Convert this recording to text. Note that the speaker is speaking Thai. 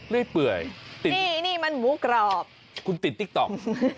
นี่เปื่อยนี่มันหมูกรอบคุณติดติ๊กต๊อก